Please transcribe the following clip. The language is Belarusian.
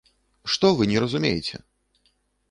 Што вы не разумееце?